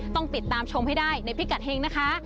ต้องติดตามชมให้ได้ในพิกัดเฮงนะคะ